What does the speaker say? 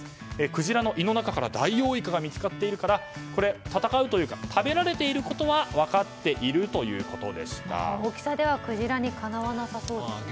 クジラの胃の中からダイオウイカが見つかっているから戦うというか食べられていることは大きさではクジラにかなわなそうですね。